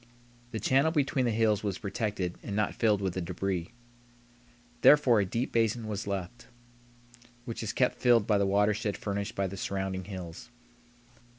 The channel between the hills was protected and not filled with the débris. Therefore a deep basin was left, which is kept filled by the watershed furnished by the surrounding hills.